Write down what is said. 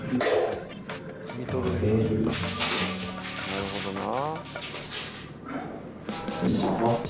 なるほどな。